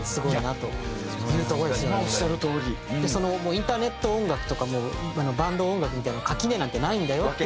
インターネット音楽とかバンド音楽みたいなのに垣根なんてないんだよっていう。